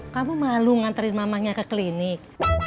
kamu malu nganterin mamahnya ke klinik